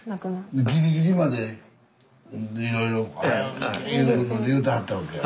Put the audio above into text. ギリギリまでいろいろ早う行け言うてはったわけや。